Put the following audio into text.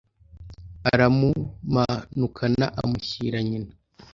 aramumanukana amushyira nyina